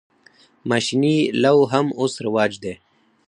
ماشیني لو هم اوس رواج دی.